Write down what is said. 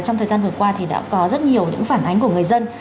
trong thời gian vừa qua thì đã có rất nhiều những phản ánh của người dân